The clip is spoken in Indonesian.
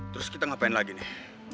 terus kita ngapain lagi nih